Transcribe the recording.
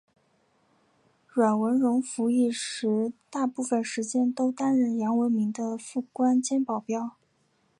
阮文戎服役时大部分时间都担任杨文明的副官兼保镖。